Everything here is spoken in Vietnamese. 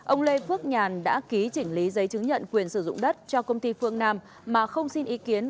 ông lê phước nhàn đã ký chỉnh lý giấy chứng nhận quyền sử dụng đất cho công ty phương nam mà không xin ý kiến